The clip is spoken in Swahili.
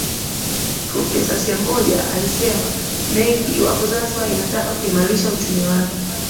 Profesa Semboja alisema mengi iwapo Zanzibar inataka kuimarisha uchumi wake